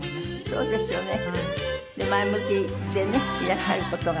そうですよね。